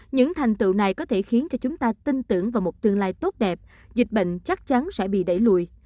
những thành tựu này có thể khiến cho chúng ta tin tưởng vào một tương lai tốt đẹp dịch bệnh chắc chắn sẽ bị đẩy lùi